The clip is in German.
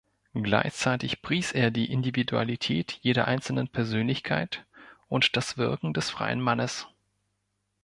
Gleichzeitig pries er die Individualität jeder einzelnen Persönlichkeit und das "Wirken des freien Mannes".